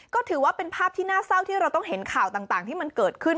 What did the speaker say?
ก็ถือว่าเป็นภาพที่น่าเศร้าที่เราต้องเห็นข่าวต่างที่มันเกิดขึ้น